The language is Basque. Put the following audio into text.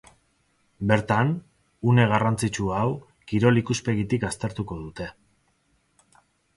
Bertan, une garrantzitsu hau kirol ikuspegitik aztertuko dute.